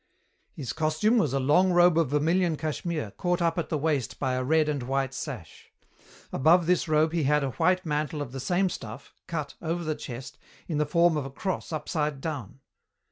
"His costume was a long robe of vermilion cashmere caught up at the waist by a red and white sash. Above this robe he had a white mantle of the same stuff, cut, over the chest, in the form of a cross upside down."